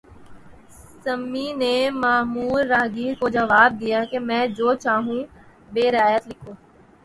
semi نے معمر راہگیر کو جواب دیا کہ میں جو چاہوں بہ رعایت لکھوں